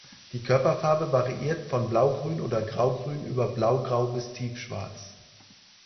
Die Körperfarbe variiert von blaugrün oder graugrün über blaugrau bis tiefschwarz.